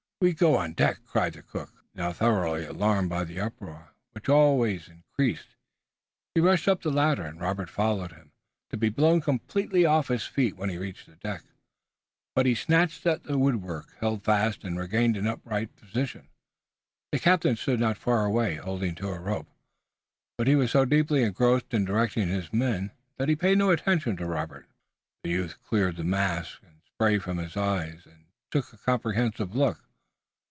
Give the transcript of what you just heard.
"We go on deck!" cried the cook, now thoroughly alarmed by the uproar, which always increased. He rushed up the ladder and Robert followed him, to be blown completely off his feet when he reached the deck. But he snatched at the woodwork, held fast, and regained an upright position. The captain stood not far away, holding to a rope, but he was so deeply engrossed in directing his men that he paid no attention to Robert. The youth cleared the mist and spray from his eyes and took a comprehensive look.